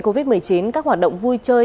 covid một mươi chín các hoạt động vui chơi